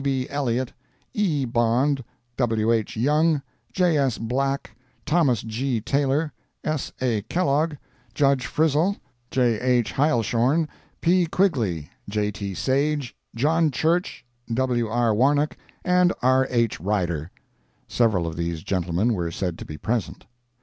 B. Elliott, E. Bond, W. H. Young, J. S. Black, Thos. G. Taylor, S. A. Kellogg, Judge Frizell, J. H. Heilshorn, P. Quigley, J. T. Sage, John Church, W. R. Warnock and R. H. Rider. [Several of these gentlemen were said to be present.